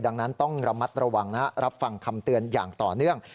ดังนั้นต้องระมัดระวังรับฟังคำเตือนอย่างต่อเนื่อง